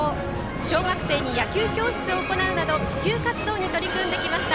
小学生に野球教室を行うなど普及活動に取り組んできました。